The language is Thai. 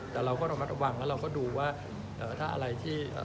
แต่เราก็ระมัดระวังแล้วเราก็ดูว่าเอ่อถ้าอะไรที่